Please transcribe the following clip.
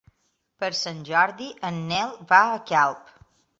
Per Sant Jordi en Nel va a Calp.